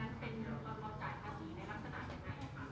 อันนั้นเป็นเวลาเราจ่ายภาษีเนยลักษณะไง